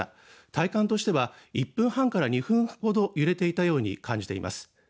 体感としては１分半から２分ほど揺れていたように感じています。